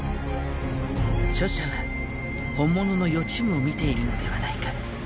著者は本物の予知夢を見ているのではないか？